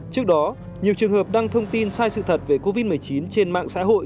trước đó nhiều trường hợp đăng thông tin sai sự thật về covid một mươi chín trên mạng xã hội